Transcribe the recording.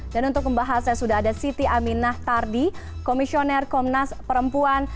dan untuk membahasnya sudah ada siti aminah tardi komisioner komnas perempuan